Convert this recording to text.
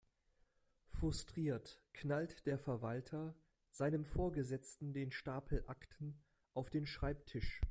Frustriert knallt der Verwalter seinem Vorgesetzten den Stapel Akten auf den Schreibtisch.